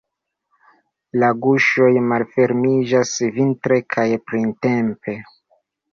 La guŝoj malfermiĝas vintre kaj printempe.